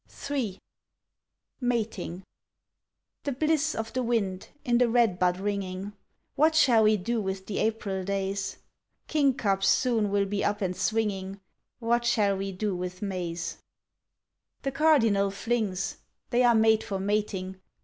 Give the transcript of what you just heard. III MATING The bliss of the wind in the redbud ringing! What shall we do with the April days! Kingcups soon will be up and swinging What shall we do with May's! The cardinal flings, "They are made for mating!"